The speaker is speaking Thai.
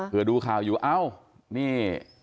เพื่อดูข่าวอยู่เอ้านี่